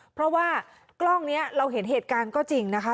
เพราะว่ากล้องนี้เราเห็นเหตุการณ์ก็จริงนะคะ